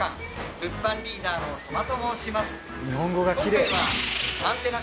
物販リーダーの杣と申します。